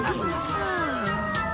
はあ。